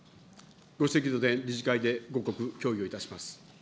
ご指摘の点、理事会で後刻、協議をいたします。